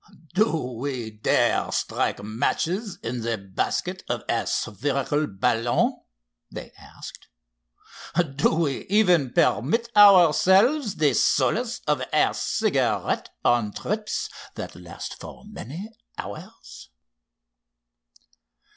"Do we dare strike matches in the basket of a spherical balloon?" they asked. "Do we even permit ourselves the solace of a cigarette on trips that last for many hours?"